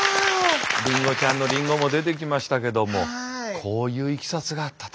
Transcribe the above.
りんごちゃんのりんごも出てきましたけどもこういういきさつがあったと。